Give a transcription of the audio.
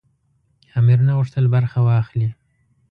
امیر نه غوښتل برخه واخلي.